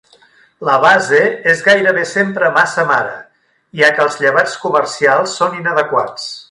La base és gairebé sempre massa mare, ja que els llevats comercials són inadequats.